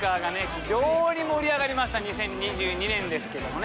非常に盛り上がりました２０２２年ですけどもね。